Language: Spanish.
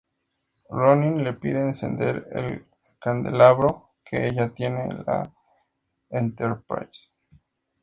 Ronin le pide encender el candelabro que ella tiene en la "Enterprise".